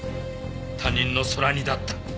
他人の空似だった。